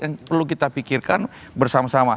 yang perlu kita pikirkan bersama sama